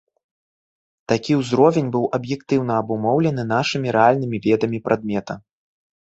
Такі ўзровень быў аб'ектыўна абумоўлены нашымі рэальнымі ведамі прадмета.